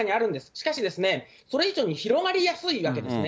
しかしですね、これ以上に広がりやすいわけですね。